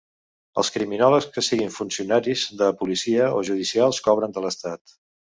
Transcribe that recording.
Els criminòlegs que siguin funcionaris de policia, o judicials cobren de l'Estat.